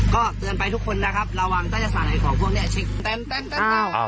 ก็เตือนภัยทุกคนนะครับระวังใต้อาสารไอ้ของพวกเนี้ยชิคอ้าว